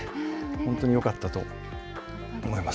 本当によかったと思います。